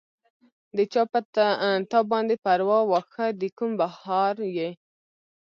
د چا پۀ تا باندې پرواه، واښۀ د کوم پهاړ ئې